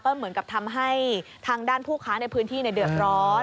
เหมือนกับทำให้ทางด้านผู้ค้าในพื้นที่เดือดร้อน